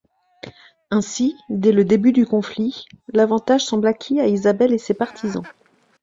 Ainsi, dès le début du conflit, l'avantage semble acquis à Isabelle et ses partisans.